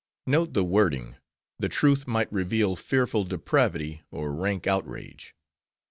Note the wording. "The truth might reveal fearful depravity or rank outrage."